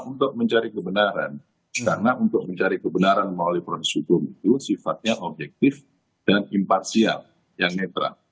untuk mencari kebenaran karena untuk mencari kebenaran melalui proses hukum itu sifatnya objektif dan imparsial yang netral